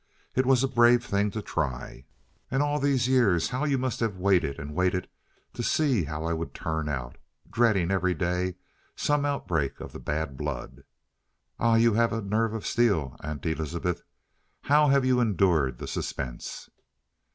It was a brave thing to try, and all these years how you must have waited, and waited to see how I would turn out, dreading every day some outbreak of the bad blood! Ah, you have a nerve of steel, Aunt Elizabeth! How have you endured the suspense?"